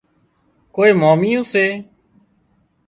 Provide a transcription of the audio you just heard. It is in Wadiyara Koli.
ڪوئي ماميون سي